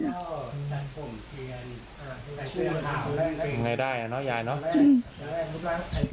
ยังไงได้อะเนอะยายเนอะ